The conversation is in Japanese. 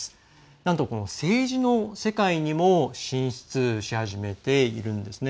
なんと、政治の世界にも進出し始めているんですね。